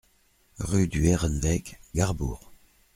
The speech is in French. Rue du Ehrenweg, Garrebourg